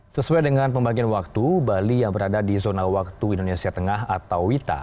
sesuai dengan pembagian waktu bali yang berada di zona waktu indonesia tengah atau wita